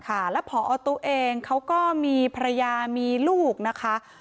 ค่ะแล้วพอตู้เองเขาก็มีภรรยามีลูกนะคะ